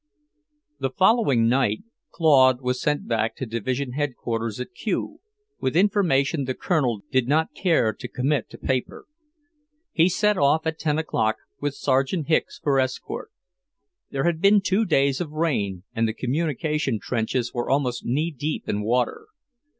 IX The following night, Claude was sent back to Division Head quarters at Q with information the Colonel did not care to commit to paper. He set off at ten o'clock, with Sergeant Hicks for escort. There had been two days of rain, and the communication trenches were almost knee deep in water.